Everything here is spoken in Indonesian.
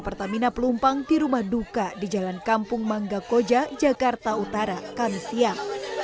pertamina pelumpang di rumah duka di jalan kampung mangga koja jakarta utara kami siang